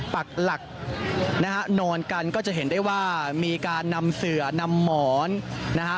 ปักหลักนะฮะนอนกันก็จะเห็นได้ว่ามีการนำเสือนำหมอนนะฮะ